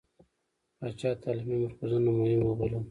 پاچا تعليمي مرکزونه مهم ووبلل.